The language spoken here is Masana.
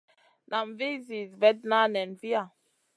Nan vih zi vetna nen viya.